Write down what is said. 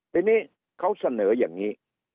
ทีนี้เขาเสนออย่างนี้